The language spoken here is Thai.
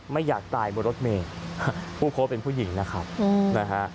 ไม่อยากตายบนรถเมฆภูเขาเป็นผู้หญิงนะครับอืมนะฮะ